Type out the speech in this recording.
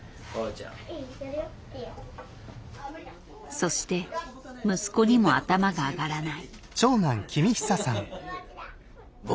そして息子にも頭が上がらない。